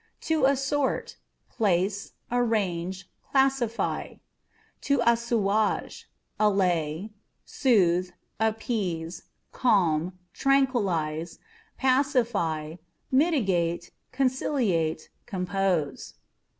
To Assort â€" place, arrange, classify. To Assuage â€" allay, soothe, appease, calm, tranquillize, pacify, mitigate, conciliate, compose.